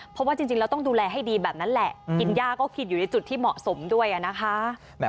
เพราะว่าจริงแล้วต้องดูแลให้ดีแบบนั้นแหละกินย่าก็คิดอยู่ในจุดที่เหมาะสมด้วยนะคะ